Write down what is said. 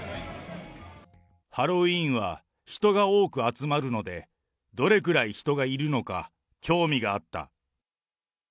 ハロウィーンは人が多く集まるので、どれくらい人がいるのか興味があった。